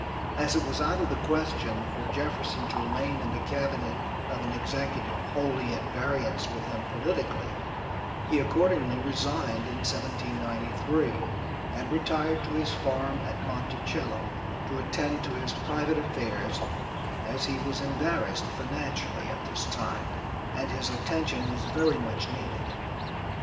As it was out of the question for Jefferson to remain in the cabinet of an executive wholly at variance with him politically, he accordingly resigned in 1793 and retired to his farm at 'Monticello' to attend to his private affairs as he was embarrassed financially at this time, and his attention was very much needed.